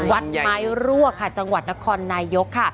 วัดไม้รั่วค่ะจังหวัดนครนายกค่ะ